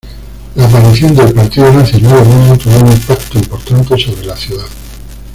La aparición del partido nazi en Alemania tuvo un impacto importante sobre la ciudad.